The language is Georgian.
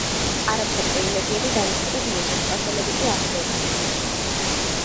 არაბთა პრივილეგიები დავიწყებას მიეცა, სპარსელები კი აღზევდნენ.